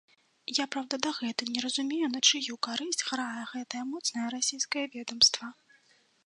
Я, праўда, дагэтуль не разумею, на чыю карысць грае гэтае моцнае расійскае ведамства.